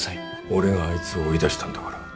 俺があいつを追い出したんだから。